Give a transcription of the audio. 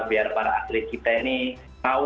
biar para atlet kita ini tahu